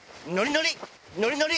ノリノリ！